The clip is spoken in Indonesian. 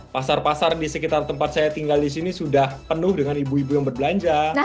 pasar pasar di sekitar tempat saya tinggal di sini sudah penuh dengan ibu ibu yang berbelanja